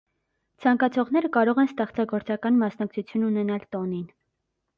Ցանկացողները կարող են ստեղծագործական մասնակցություն ունենալ տոնին։